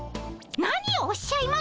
何をおっしゃいます！